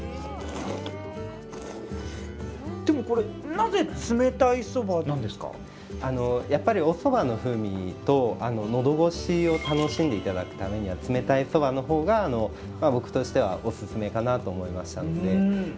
でもこれやっぱりおそばの風味とのどごしを楽しんでいただくためには冷たいそばのほうが僕としてはおすすめかなと思いましたので。